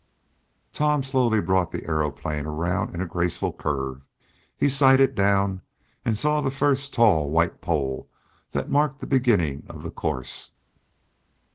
Tom slowly brought the aeroplane around in a graceful curve. He sighted down, and saw the first tall white pole that marked the beginning of the course.